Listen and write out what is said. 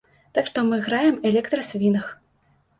Так што мы граем электрасвінг.